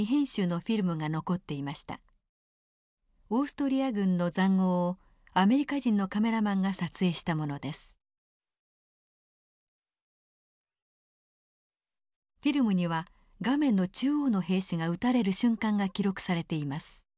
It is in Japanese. フィルムには画面の中央の兵士が撃たれる瞬間が記録されています。